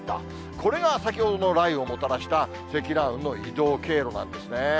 これが先ほどの雷雨をもたらした、積乱雲の移動経路なんですね。